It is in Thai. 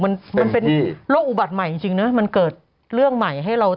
มันเป็นเป็นที่โรคอุบัติใหม่จริงเนอะมันเกิดเรื่องใหม่ให้เราต้อง